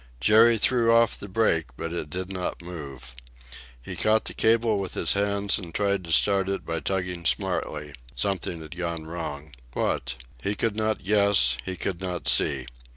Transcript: Jerry threw off the brake, but it did not move. He caught the cable with his hands and tried to start it by tugging smartly. Something had gone wrong. What? He could not guess; he could not see.